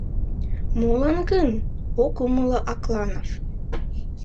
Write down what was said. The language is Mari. — Молан гын? — ок умыло Акланов.